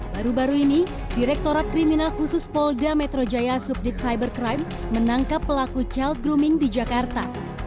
baru baru ini direktorat kriminal khusus polda metro jaya subdit cybercrime menangkap pelaku child grooming di jakarta